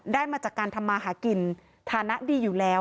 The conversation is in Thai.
มาจากการทำมาหากินฐานะดีอยู่แล้ว